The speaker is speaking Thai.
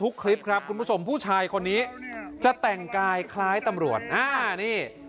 แกล้งกายคล้ายตำรวจอันนี้